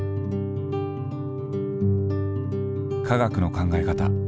科学の考え方